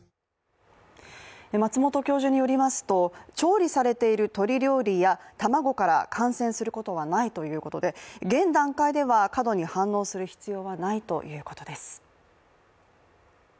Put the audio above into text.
松本教授によりますと調理されている鶏料理や卵から感染することはないということで現段階では過度に反応する必要はないということです。